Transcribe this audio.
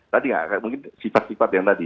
tadi nggak mungkin sifat sifat yang tadi